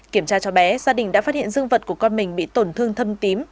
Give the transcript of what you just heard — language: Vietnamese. kiểm tra cho bé gia đình đã phát hiện dương vật của con mình bị tổn thương thâm tím